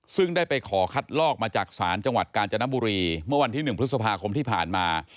ซึ่งได้ไปขอคัดลอกมาจากศาลจังหวัดกาญจนบุรีเมื่อวันที่๑พฤษภาคมที่ผ่านมา